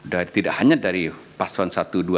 dari tidak hanya dari paslon satu dua